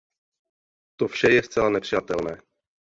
To vše je zcela nepřijatelné.